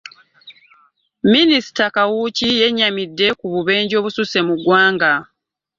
Minisita Kawuki yennyamidde ku bubenje obususse mu ggwanga